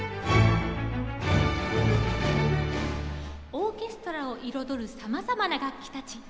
オーケストラを彩るさまざまな楽器たち。